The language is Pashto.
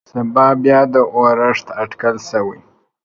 سبا بيا د اورښت اټکل شوى.